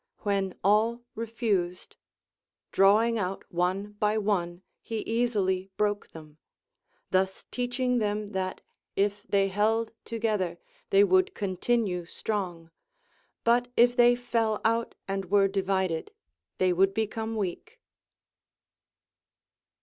When all refused, drawing out one by one, he easily broke them ; thus teach ing them thiit, if they held together, they would continue strong, but if they fell out and Avere divided, they would become weak.